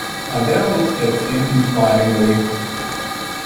Adele looked at him inquiringly.